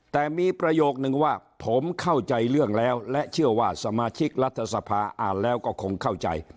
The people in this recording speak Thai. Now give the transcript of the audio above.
แต่มีประโยคนึงว่าผมเข้าใจเรื่องแล้วและเชื่อว่าสมาชิกรัฐสภาอ่านแล้วก็คงเข้าใจ